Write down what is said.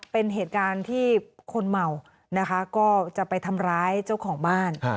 เป็นเหตุการณ์ที่คนเมานะคะก็จะไปทำร้ายเจ้าของบ้าน